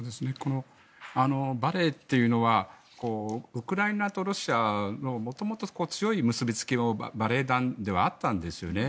バレエというのはウクライナとロシアの元々、強い結びつきのバレエ団ではあったんですよね。